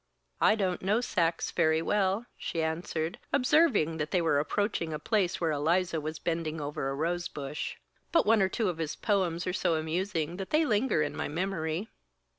"I don't know Saxe very well," she answered, observing that they were approaching a place where Eliza was bending over a rose bush. "But one or two of his poems are so amusing that they linger in my memory."